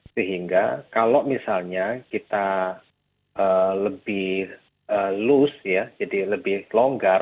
sehingga kalau misalnya kita lebih lose ya jadi lebih longgar